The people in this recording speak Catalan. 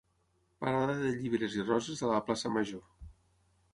Parada de llibres i roses a la plaça major.